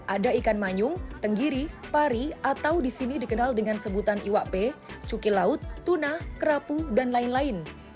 ada ikan manyung tenggiri pari atau di sini dikenal dengan sebutan iwape cuki laut tuna kerapu dan lain lain